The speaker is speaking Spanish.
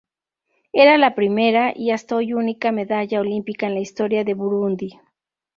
Era la primera, y hasta hoy única, medalla olímpica en la historia de Burundi.